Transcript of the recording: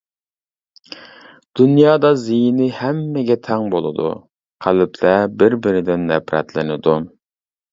دۇنيادا زېيىنى ھەممىگە تەڭ بولىدۇ، قەلبلەر بىر بىرىدىن نەپرەتلىنىدۇ.